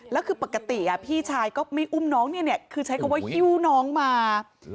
แล้วคือปกติพี่ชายก็ไม่อุ้มน้องเนี่ยคือใช้คำว่าฮิ้วน้องมา